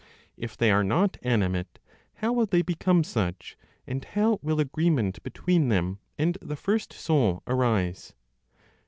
If they are not animate, how will they become such, and how will agreement between them and the first soul arise?